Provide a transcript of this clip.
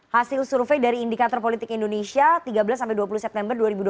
hasil survei dari indikator politik indonesia tiga belas dua puluh september dua ribu dua puluh